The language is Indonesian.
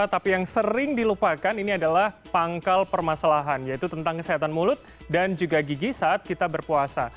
tapi yang sering dilupakan ini adalah pangkal permasalahan yaitu tentang kesehatan mulut dan juga gigi saat kita berpuasa